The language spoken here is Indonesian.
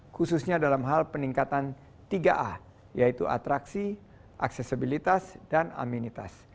khususnya dalam hal peningkatan tiga a yaitu atraksi aksesibilitas dan aminitas